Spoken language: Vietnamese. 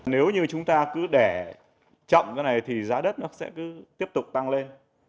nếu như chúng ta cứ để chậm cái này thì giá đất nó sẽ cứ tiếp tục tăng lên